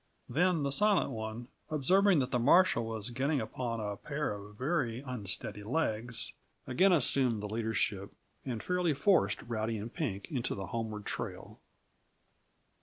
Then the Silent One, observing that the marshal was getting upon a pair of very unsteady legs, again assumed the leadership, and fairly forced Rowdy and Pink into the homeward trail.